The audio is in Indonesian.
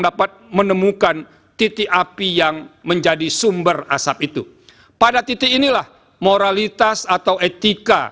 dapat menemukan titik api yang menjadi sumber asap itu pada titik inilah moralitas atau etika